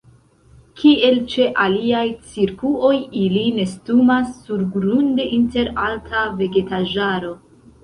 Kiel ĉe aliaj cirkuoj ili nestumas surgrunde inter alta vegetaĵaro.